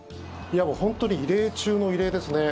本当に異例中の異例ですね。